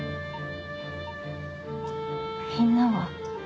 みんなは？